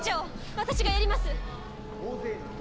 私がやります。